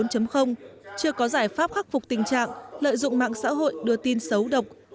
chưa có giải pháp khắc phục tình trạng lợi dụng mạng xã hội đưa tin xấu độc